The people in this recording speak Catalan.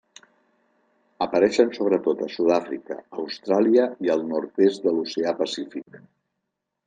Apareixen sobretot a Sud-àfrica, Austràlia i al nord-est de l'oceà Pacífic.